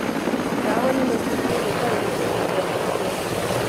ngaho nimutubwire uko ayomategeko yashyizweho